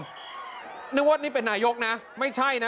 นึกประกองว่านี่เป็นหน่ายกนะไม่ใช่นะ